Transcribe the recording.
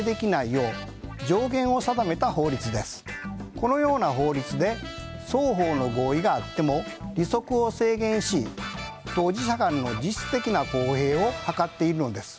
このような法律で双方の合意があっても利息を制限し当事者間の実質的な公平を図っているのです。